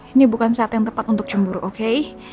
ini bukan saat yang tepat untuk cemburu oke